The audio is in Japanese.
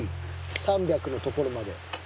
３００のところまで。